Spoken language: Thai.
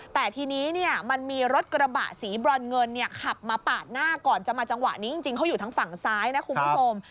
แต่ทีนี้เนี่ยมันมีรถกระบะสีบรอนเงินเนี่ยขับมาปาดหน้าก่อนจะมาจังหวะนี้จริงเขาอยู่ทางฝั่งซ้ายนะคุณผู้ชม